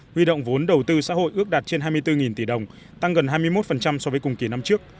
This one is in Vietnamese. huy động vốn đầu tư xã hội ước đạt trên hai mươi bốn tỷ đồng tăng gần hai mươi một so với cùng kỳ năm trước